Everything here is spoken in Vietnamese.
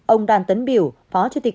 ông đàn tấn biểu phó chủ tịch